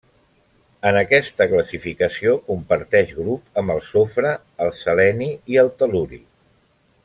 En aquesta classificació comparteix grup amb el sofre, el seleni i el tel·luri.